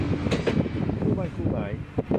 คู่หมั้นคู่หมาย